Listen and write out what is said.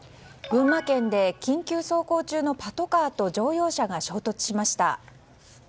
群馬県で緊急走行中のパトカーと乗用車が衝突しました。